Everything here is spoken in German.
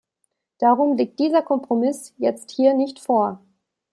Darum liegt dieser Kompromiss jetzt hier nicht vor.